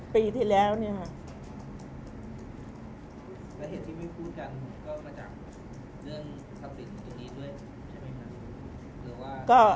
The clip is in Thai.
ปีที่แล้วเนี่ยฮะ